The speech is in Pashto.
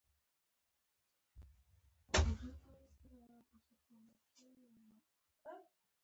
منظمېدو په حال کې و، د رتبې له مخې.